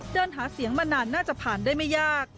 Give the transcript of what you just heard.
เดินหาเสียงมานานน่าจะผ่านได้ไม่ยาก